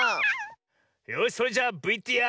よしそれじゃあＶＴＲ。